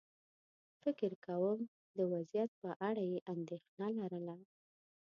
فکر کووم د وضعيت په اړه یې اندېښنه لرله.